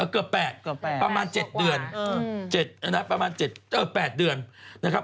เกือบ๘ประมาณ๗เดือนประมาณ๘เดือนนะครับ